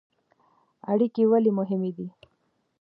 اړیکې ولې مهمې دي؟